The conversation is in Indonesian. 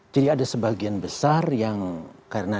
jadi ada sebagian besar yang terbelah sekarang itu